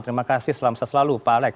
terima kasih selamat siang selalu pak alex